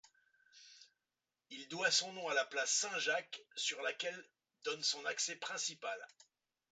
Il doit son nom à la place Saint-Jacques sur laquelle donne son accès principal.